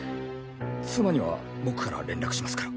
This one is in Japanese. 妻には僕から連絡しますから。